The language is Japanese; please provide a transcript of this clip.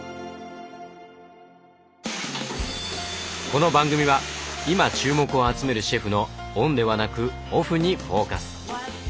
この番組は今注目を集めるシェフのオンではなくオフにフォーカス。